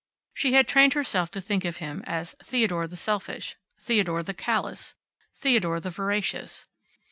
She had trained herself to think of him as Theodore the selfish, Theodore the callous, Theodore the voracious.